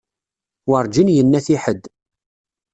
Werǧin yenna-t i ḥedd.